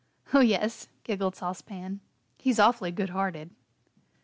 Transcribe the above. "Oh, yes," giggled Sauce Pan, "he's awfully good hearted."